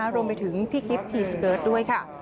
รวมไปถึงพี่กิฟต์ทีสเกิร์ตด้วยค่ะ